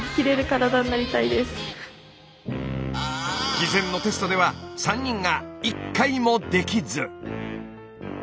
事前のテストでは３人が１回もできず。